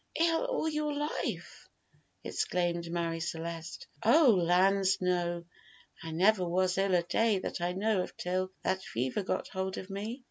"Ill all your life!" exclaimed Marie Celeste. "Oh lands, no! I never was ill a day that I know of till that fever got hold of me."